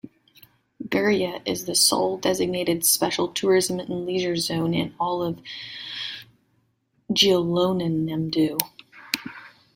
Gurye is the sole designated special tourism and leisure zone in all of Jeollanam-do.